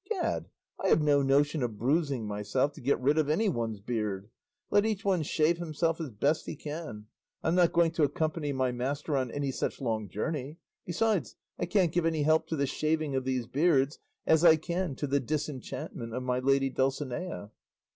Gad, I have no notion of bruising myself to get rid of anyone's beard; let each one shave himself as best he can; I'm not going to accompany my master on any such long journey; besides, I can't give any help to the shaving of these beards as I can to the disenchantment of my lady Dulcinea."